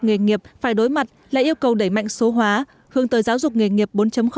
nghề nghiệp phải đối mặt là yêu cầu đẩy mạnh số hóa hướng tới giáo dục nghề nghiệp bốn